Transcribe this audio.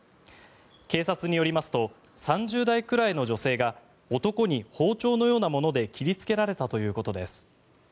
警察によりますと３０代くらいの女性が男に包丁のようなもので切りつけられたということです。